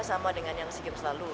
sama dengan yang sea games lalu